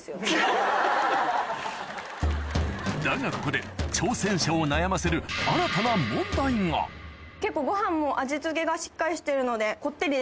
だがここで挑戦者を悩ませる結構ご飯も味付けがしっかりしてるので。